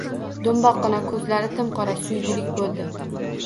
Do`mboqqina, ko`zlari tim qora suygulik bo`ldi